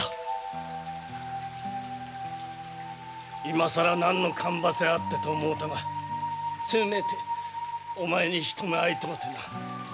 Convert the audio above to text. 今更何のかんばせあってと思うたがせめてお前に一目会いとうてな。